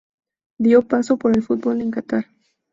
Dio paso por el fútbol en Qatar.